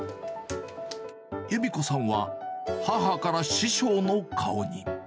ゆみ子さんは母から師匠の顔に。